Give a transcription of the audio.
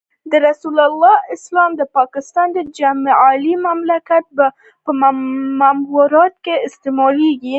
د رسول الله اسلام د پاکستان د جعلي مملکت په ماموریت استعمالېږي.